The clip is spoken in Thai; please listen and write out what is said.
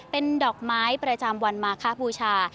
เป็นดอกไม้ประจำวันมาคบูชา